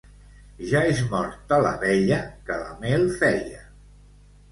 Ja és morta l'abella que la mel feia.